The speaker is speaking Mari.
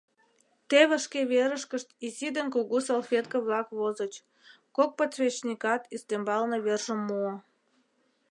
Теве шке верышкышт изи ден кугу салфетке-влак возыч, кок подсвечникат ӱстембалне вержым муо.